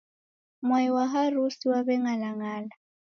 Mwai wa harusi waw'eng'alang'ala.